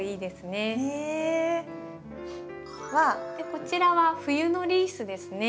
こちらは冬のリースですね。